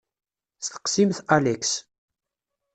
Steqsimt Alex.